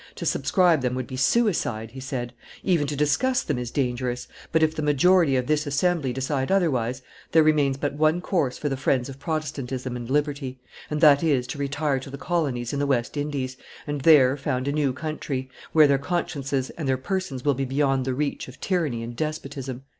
"To subscribe them would be suicide," he said: "even to discuss them is dangerous; but, if the majority of this assembly decide otherwise, there remains but one course for the friends of Protestantism and liberty, and that is, to retire to the colonies in the West Indies, and there found a new country, where their consciences and their persons will be beyond the reach of tyranny and despotism."